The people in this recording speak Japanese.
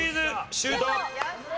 シュート！